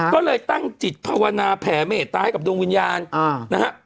ก็เลยตั้งจิตภาวนาแผ่เมตตาให้กับดวงวิญญาณนะฮะ